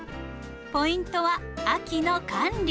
ポイントは秋の管理。